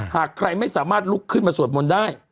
หากใครไม่สามารถลุกขึ้นมาสวดมนต์ได้